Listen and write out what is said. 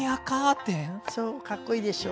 そうかっこいいでしょ。